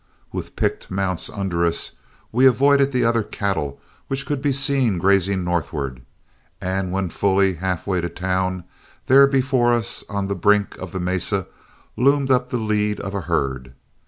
With picked mounts under us, we avoided the other cattle which could be seen grazing northward, and when fully halfway to town, there before us on the brink of the mesa loomed up the lead of a herd.